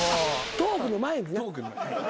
トークの前にな。